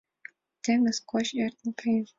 Теҥыз гоч эртен каен.